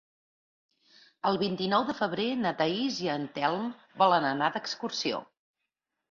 El vint-i-nou de febrer na Thaís i en Telm volen anar d'excursió.